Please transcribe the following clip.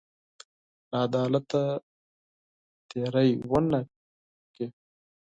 له عدالته تېری ونه کړ.